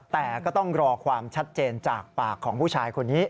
แต่ก็ต้องรอความชัดเจนจากปากของผู้ชายคนนี้